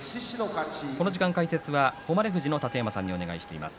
この時間、解説は誉富士の楯山さんにお願いしています。